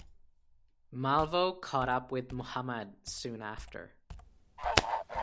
Malvo caught up with Muhammad soon after.